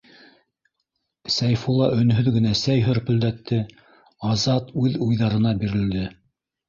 Сәйфулла өнһөҙ генә сәй һөрпөлдәтте Азат үҙ уйҙарына бирелде.